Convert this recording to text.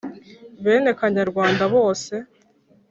bene kanyarwanda bose